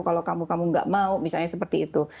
kalau kamu kamu nggak mau misalnya seperti itu